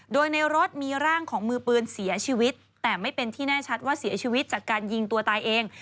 โดยในรถมีร่างของมือปืนเสียชีวิตแต่ไม่เป็นที่แน่ชัดว่าเสียชีวิตจากการยิงตัวตายเอง